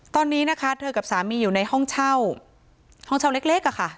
ตอนนี้นะคะเธอกับสามีอยู่ในห้องเช่าห้องเช่าเล็กอะค่ะ